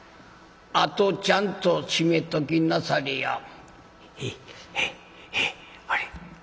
「あとちゃんと閉めときなされや」。